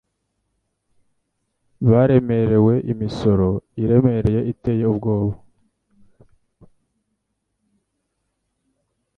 Baremerewe imisoro iremereye iteye ubwoba.